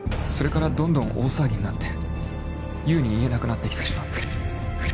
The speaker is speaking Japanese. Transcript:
それからどんどん大騒ぎになって言うに言えなくなって来てしまって。